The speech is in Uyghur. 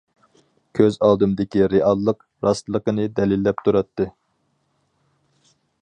كۆز ئالدىمدىكى رېئاللىق راستلىقىنى دەلىللەپ تۇراتتى.